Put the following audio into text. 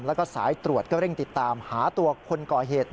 แล้วก็สายตรวจก็เร่งติดตามหาตัวคนก่อเหตุ